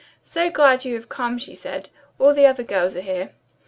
"So glad you have come," she said. "All the other girls are here."